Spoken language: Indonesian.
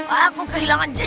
aku kehilangan jejak